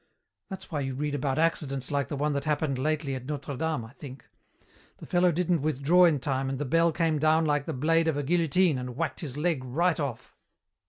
That's why you read about accidents like the one that happened lately at Notre Dame, I think. The fellow didn't withdraw in time and the bell came down like the blade of a guillotine and whacked his leg right off.